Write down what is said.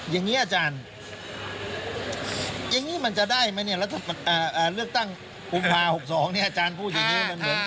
อย่างนี้อาจารย์อย่างนี้มันจะได้ไหมเนี่ยแล้วเลือกตั้งกุมภา๖๒เนี่ยอาจารย์พูดอย่างนี้มันเหมือน